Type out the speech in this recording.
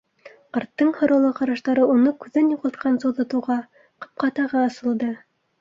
Ҡарттың һораулы ҡараштары уны күҙҙән юғалтҡансы оҙатыуға, ҡапҡа тағы асылды.